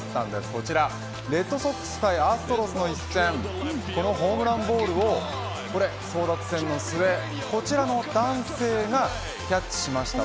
こちらレッドソックス対アストロズの一戦このホームランボールを争奪戦の末こちらの男性がキャッチしました。